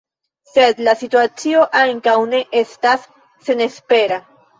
Sed la situacio ankaŭ ne estas senespera.